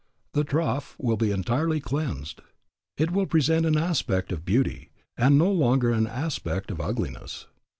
The trough will be entirely cleansed. It will present an aspect of beauty and no longer an aspect of ugliness.